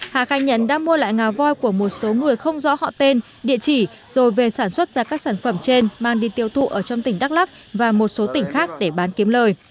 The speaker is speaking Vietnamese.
hà khai nhận đã mua lại ngà voi của một số người không rõ họ tên địa chỉ rồi về sản xuất ra các sản phẩm trên mang đi tiêu thụ ở trong tỉnh đắk lắc và một số tỉnh khác để bán kiếm lời